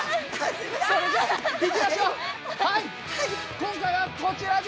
今回はこちらです！